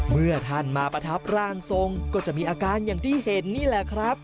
เมื่อท่านมาประทับร่างทรงก็จะมีอาการอย่างที่เห็นนี่แหละครับ